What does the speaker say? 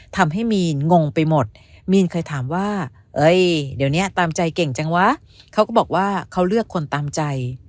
ทำให้มีนงงไปหมดมีนเคยถามว่าเอ้ยเดี๋ยวนี้ตามใจเก่งจังวะเขาก็บอกว่าเขาเลือกคนตามใจ